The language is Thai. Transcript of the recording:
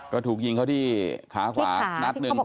ก็ถูกยิงเขาที่ขาขวานัดหนึ่ง